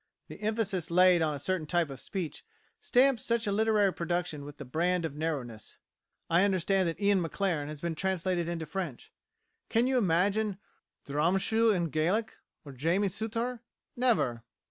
The emphasis laid on a certain type of speech stamps such a literary production with the brand of narrowness. I understand that Ian Maclaren has been translated into French. Can you imagine Drumsheugh in Gallic? or Jamie Soutar? Never.